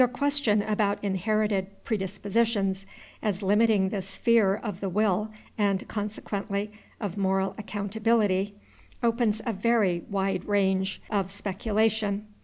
Your question about inherited predispositions, as limiting the sphere of the will, and, consequently, of moral accountability, opens a very wide range of speculation.